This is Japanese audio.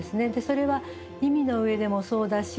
それは意味の上でもそうだし